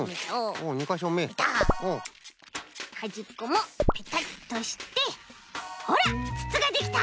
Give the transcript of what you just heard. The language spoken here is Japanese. はじっこもペタッとしてほらつつができた！